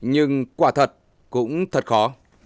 nhưng quả thật cũng thật khó